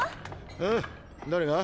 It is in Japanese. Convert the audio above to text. あぁ誰が？